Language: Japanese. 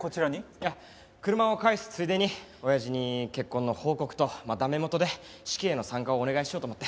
いや車を返すついでに親父に結婚の報告とまあ駄目元で式への参加をお願いしようと思って。